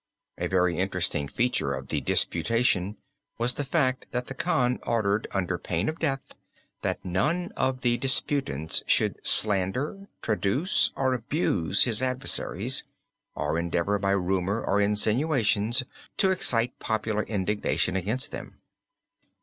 A very interesting feature of the disputation was the fact that the Khan ordered under pain of death that none of the disputants should slander, traduce, or abuse his adversaries, or endeavor by rumor or insinuations to excite popular indignation against them.